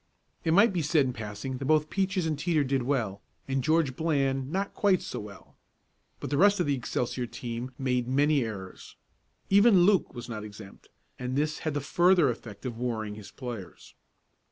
It might be said in passing that both Peaches and Teeter did well, and George Bland not quite so well. But the rest of the Excelsior team made many errors. Even Luke was not exempt, and this had the further effect of worrying his players.